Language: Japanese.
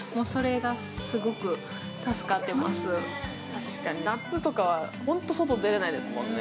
確かに夏とかは本当に外出られないですもんね。